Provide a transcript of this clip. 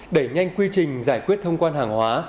đẩy nhanh quy trình giải quyết thông quan hàng hóa